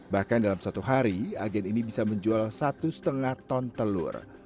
bahkan dalam satu hari agen ini bisa menjual satu lima ton telur